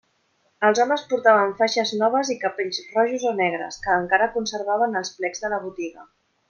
Els homes portaven faixes noves i capells rojos o negres que encara conservaven els plecs de la botiga.